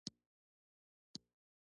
استعمالیدونکي سامان آلات باید تعقیم شي.